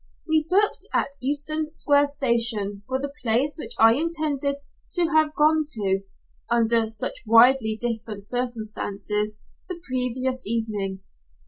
We booked at Euston Square Station for the place which I intended to have gone to, under such widely different circumstances, the previous evening.